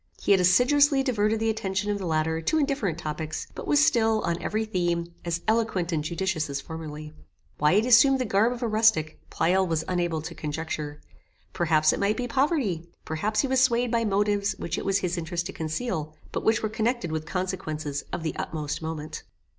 He had assiduously diverted the attention of the latter to indifferent topics, but was still, on every theme, as eloquent and judicious as formerly. Why he had assumed the garb of a rustic, Pleyel was unable to conjecture. Perhaps it might be poverty, perhaps he was swayed by motives which it was his interest to conceal, but which were connected with consequences of the utmost moment.